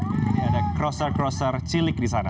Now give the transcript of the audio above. jadi ada kroser kroser cilik di sana